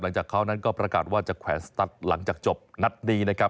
จากเขานั้นก็ประกาศว่าจะแขวนสตัสหลังจากจบนัดนี้นะครับ